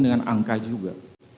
dengan angka juga